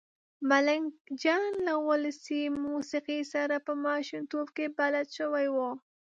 ملنګ جان له ولسي موسېقۍ سره په ماشومتوب کې بلد شوی و.